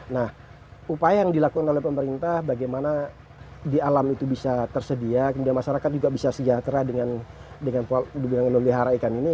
nah upaya yang dilakukan oleh pemerintah bagaimana di alam itu bisa tersedia kemudian masyarakat juga bisa sejahtera dengan memelihara ikan ini